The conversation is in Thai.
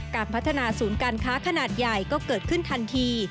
การพัฒนาศูนย์การค้าขนาดใหญ่ก็เกิดขึ้นทันที